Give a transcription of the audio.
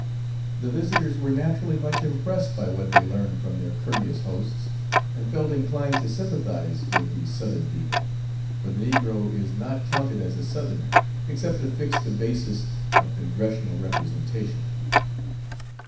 The visitors were naturally much impressed by what they learned from their courteous hosts, and felt inclined to sympathize with the Southern people, for the negro is not counted as a Southerner, except to fix the basis of congressional representation.